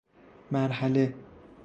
مرحله